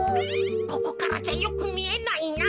ここからじゃよくみえないな。